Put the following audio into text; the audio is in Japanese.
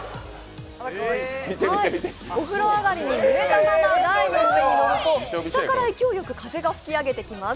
お風呂上がりに濡れたまま台の上に乗ると下から勢いよく風が吹き上げてきます。